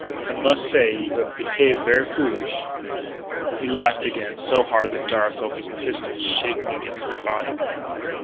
I mus' say you have behave ver' foolish." He laughed again so hard that Darragh felt his pistols shaking against his body.